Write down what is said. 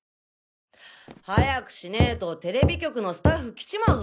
早くしねぇとＴＶ局のスタッフ来ちまうぞ！